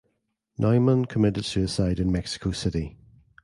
Neumann committed suicide in Mexico City.